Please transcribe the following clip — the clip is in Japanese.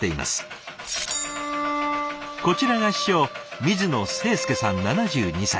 こちらが師匠水野清介さん７２歳。